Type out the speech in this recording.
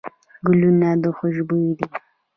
ګلونه خوشبوي دي.